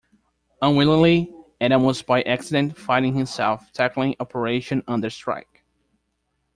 Unwillingly, and almost by accident, finding himself tackling 'Operation Understrike'.